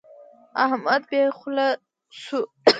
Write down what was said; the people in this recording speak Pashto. احمد بې خولې شو.